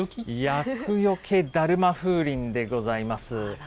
厄除けだるま風鈴でございます。